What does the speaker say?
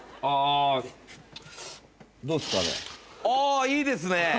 あいいですね！